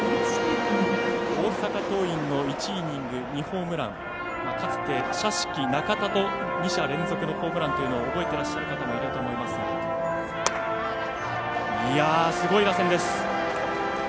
大阪桐蔭の１イニング２ホームラン、かつての２者連続のホームランを覚えていらっしゃる方もいるでしょうがすごい打線です。